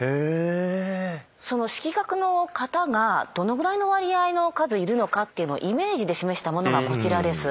その色覚の型がどのぐらいの割合の数いるのかっていうのをイメージで示したものがこちらです。